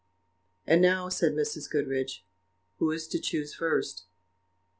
"And now," said Mrs. Goodriche, "who is to choose first?"